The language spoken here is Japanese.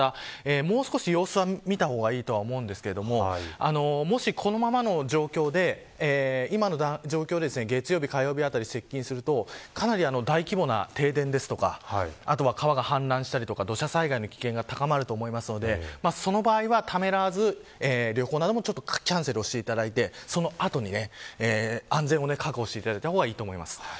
もう少し様子を見た方がいいですがもし、このままの状況で月曜日、火曜日あたり接近するとかなり大規模な停電とか川が氾濫したりとかと、災害の危険が高まると思いますのでその場合はためらわず旅行などキャンセルしていただいて安全を確保した方がいいと思います。